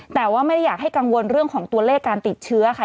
แต่ว่าไม่ได้อยากให้กังวลเรื่องของตัวเลขการติดเชื้อค่ะ